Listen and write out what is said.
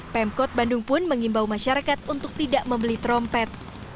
pemkot bandung pun mengimbau masyarakat untuk tidak membeli trompet